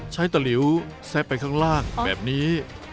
ใช้ตะลิวแซ่บไปข้างล่างแบบนี้